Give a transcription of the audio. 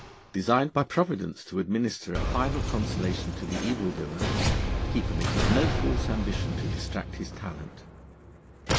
Designed by Providence to administer a final consolation to the evil doer, he permitted no false ambition to distract his talent.